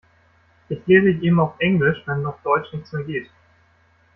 Jetzt lese ich eben auf Englisch, wenn auf Deutsch nichts mehr geht.